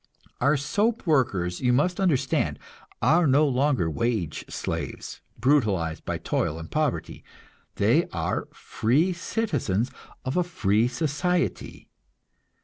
Our soap workers, you must understand, are no longer wage slaves, brutalized by toil and poverty; they are free citizens of a free society.